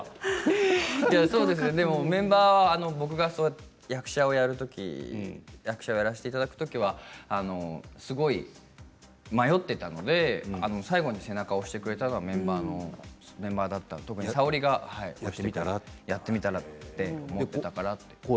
メンバーは僕が役者をやるとき役者をやらせていただくときはすごい迷っていたので最後に背中を押してくれたのはメンバーだったので特にＳａｏｒｉがやってみたら？って言っていたから。